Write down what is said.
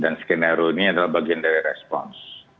dan skenario ini adalah bagian dari respons